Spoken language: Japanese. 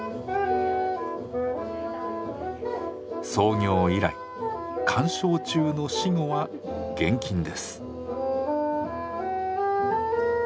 創業以来鑑賞中の私語は厳禁です。